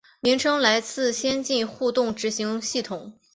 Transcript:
名称来自先进互动执行系统。